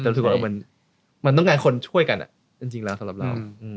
แต่รู้สึกว่ามันต้องการคนช่วยกันจริงแล้วสำหรับเรา